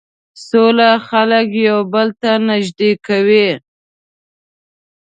سوله خلک یو بل ته نژدې کوي.